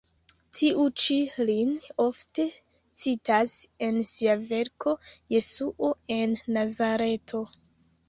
Tiu ĉi lin ofte citas en sia verko Jesuo el Nazareto.